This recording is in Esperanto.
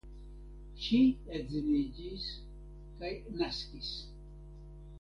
Ŝi edziniĝis kaj naskis.